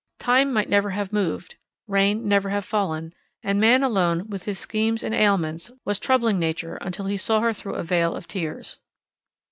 Time might never have moved, rain never have fallen, and man alone, with his schemes and ailments, was troubling Nature until he saw her through a veil of tears.